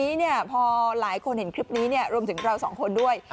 ทีนี้พอหลายคนเห็นคลิปนี้รวมถึงเราสองคนด้วย